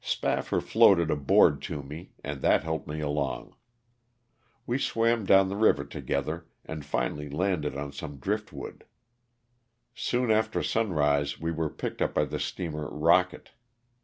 Spaffar floated a board to me and that helped me along. We swam down the river to gether and finally landed on some drift wood. Soon after sunrise we were picked up by the steamer "Rocket."